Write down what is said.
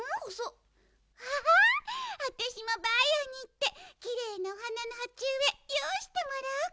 あたしもばあやにいってきれいなおはなのはちうえよういしてもらおうかしら。